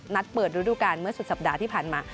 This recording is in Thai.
เปิดฤดูการเมื่อสุดสัปดาห์ที่ผ่านมา